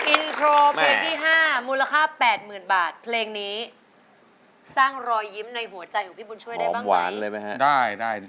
อินโทรเพลงที่๕มูลค่า๘๐๐๐บาทเพลงนี้สร้างรอยยิ้มในหัวใจของพี่บุญช่วยได้บ้างหวานเลยไหมฮะ